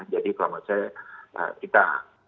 jadi kalau menurut saya kita